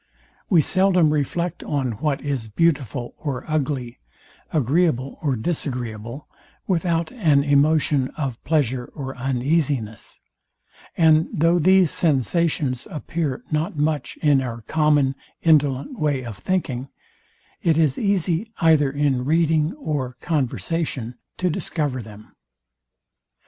We seldom reflect on what is beautiful or ugly, agreeable or disagreeable, without an emotion of pleasure or uneasiness; and though these sensations appear not much in our common indolent way of thinking, it is easy, either in reading or conversation, to discover them.